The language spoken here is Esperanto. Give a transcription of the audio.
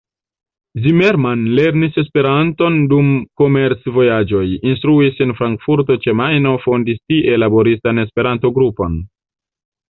Zimmermann lernis Esperanton dum komerc-vojaĝoj, instruis en Frankfurto ĉe Majno, fondis tie laboristan Esperanto-grupon.